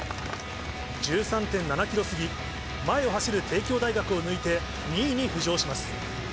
１３．７キロ過ぎ、前を走る帝京大学を抜いて２位に浮上します。